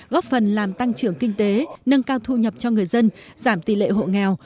góp phần làm tăng trưởng kinh tế nâng cao thu nhập cho người dân giảm tỷ lệ hộ nghèo